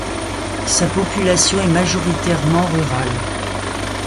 Sa population est majoritairement rurale.